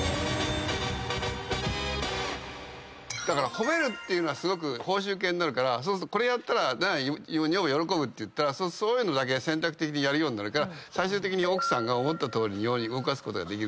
褒めるっていうのはすごく報酬系になるからこれやったら女房喜ぶってそういうのだけ選択的にやるようになるから最終的に奥さんが思ったとおりに動かすことができるようになる。